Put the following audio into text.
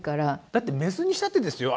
だってメスにしたってですよ